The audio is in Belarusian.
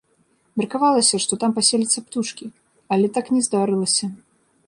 Меркавалася, што там паселяцца птушкі, але так не здарылася.